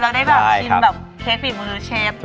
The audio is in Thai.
แต่เจอได้เลยเราได้ชิมฟรีมือเชฟ